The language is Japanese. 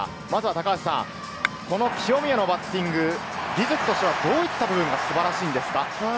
高橋さん、清宮のバッティング、技術としてはどういった部分が素晴らしいんですか？